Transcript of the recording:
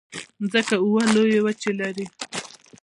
مځکه اوه لویې وچې لري.